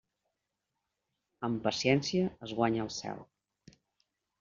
Amb paciència es guanya el cel.